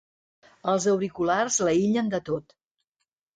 Els auriculars l'aïllen de tot.